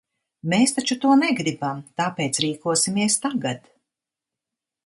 Mēs taču to negribam, tāpēc rīkosimies tagad!